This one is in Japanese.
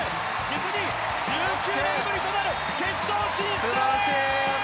実に１９年ぶりとなる決勝進出！